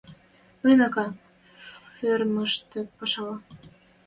«Ыныкана... Фермышты пӓшӓлӓ.